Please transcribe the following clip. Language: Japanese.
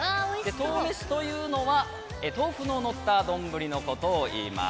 とうめしというのは豆腐の載ったどんぶりのことを言います。